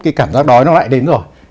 cái cảm giác đói nó lại đến rồi